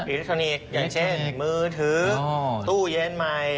อิเล็กทรอนิกส์อย่างเช่นมือถือตู้เย็นใหม่